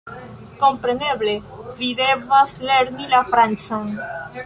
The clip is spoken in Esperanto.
"Kompreneble, vi devas lerni la francan!